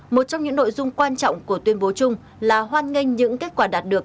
một trong những nội dung quan trọng của tuyên bố chung là hoan nghênh những kết quả đạt được